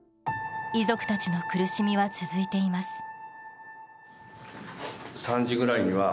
遺族たちの苦しみは続いています。